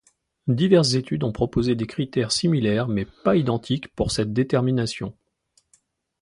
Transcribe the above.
Diverses études ont proposé des critères similaires mais pas identiques pour cette détermination.